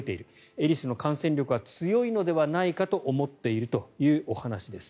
エリスの感染力は強いのではと思っているということです。